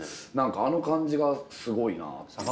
何かあの感じがすごいなっていう。